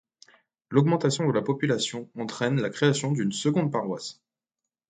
L’augmentation de la population entraine la création d’une seconde paroisse.